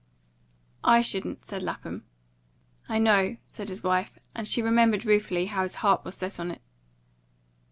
"I shouldn't," said Lapham. "I know!" said his wife; and she remembered ruefully how his heart was set on it.